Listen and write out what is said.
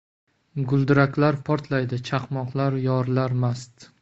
Gulduraklar portlaydi, chaqmoqlar yorilar mast